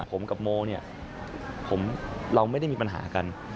ผมกับโมเนี่ยเราไม่ได้มีปัญหากัน